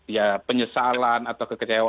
ya penyesalan atau kekecewaan